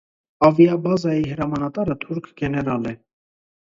Ավիաբազայի հրամանատարը թուրք գեներալ է։